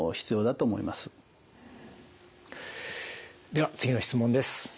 では次の質問です。